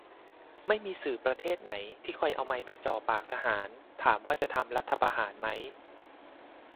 ไม่มีสื่อประเทศไหน ที่คอยเอาไมค์ไปจ่อปากทหาร ถามว่าจะทำรัฐประหารไหม